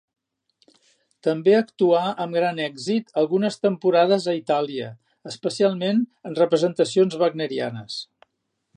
També actuà amb gran èxit algunes temporades a Itàlia, especialment en representacions wagnerianes.